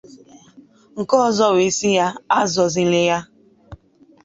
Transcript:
nke ọzọ wee sị ya asụzịla ya